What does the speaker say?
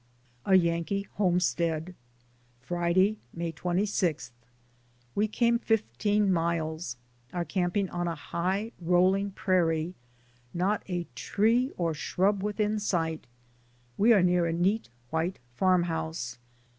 A YANKEE HOMESTEAD. Friday, May 26. We came fifteen miles, are camping on a high rolling prairie, not a tree or shrub with in sight ; we are near a neat white farmhouse.